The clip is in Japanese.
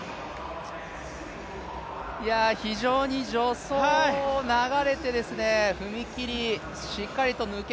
非常に助走流れて踏み切り、しっかり抜け